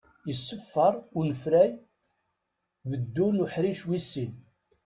Iṣeffer unefray beddu n uḥric wis sin.